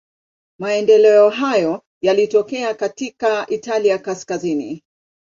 Maendeleo hayo yalitokea katika Italia kaskazini.